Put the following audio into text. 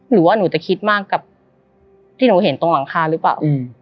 หนูว่าหนูจะคิดมากกับที่หนูเห็นตรงหลังคาหรือเปล่า